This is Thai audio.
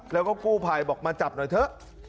แล้วก็กู้ภัยบอกมาจับหน่อยเถอะ